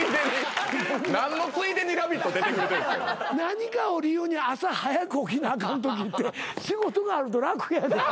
何かを理由に朝早く起きなあかんときって仕事があると楽やねん。